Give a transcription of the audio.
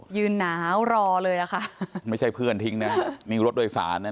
ยืนหนาวรอเลยอะค่ะไม่ใช่เพื่อนทิ้งนะนี่รถโดยสารนะ